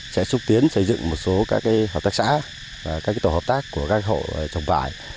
sẽ xúc tiến xây dựng một số các hợp tác xã các tổ hợp tác của các hộ trồng vải